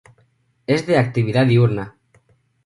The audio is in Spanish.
Es de actividad diurna.